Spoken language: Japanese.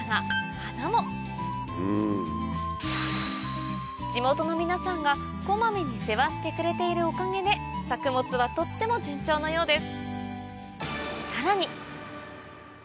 花も地元の皆さんがこまめに世話してくれているおかげで作物はとっても順調のようです